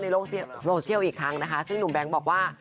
โซเชียลอีกครั้งนะคะซึ่งหนุ่มแบงค์บอกว่า